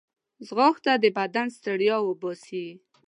ځغاسته د بدن ستړیا وباسي